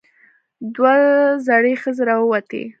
دوه زړې ښځې راووتې.